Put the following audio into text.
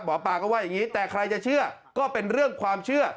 หมอปลาก็ว่าอย่างนี้แต่ใครจะเชื่อก็เป็นเรื่องความเชื่อ